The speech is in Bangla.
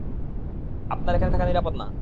আপনার এখানে থাকা নিরাপদ না।